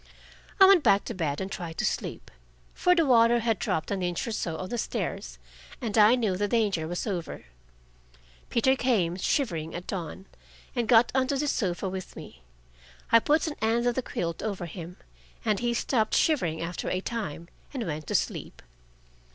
I went back to bed and tried to sleep, for the water had dropped an inch or so on the stairs, and I knew the danger was over. Peter came, shivering, at dawn, and got on to the sofa with me. I put an end of the quilt over him, and he stopped shivering after a time and went to sleep.